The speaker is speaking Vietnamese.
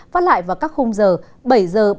phát lại vào các khung giờ